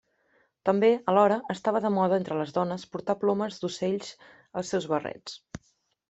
També, alhora, estava de moda entre les dones portar plomes d’ocells als seus barrets.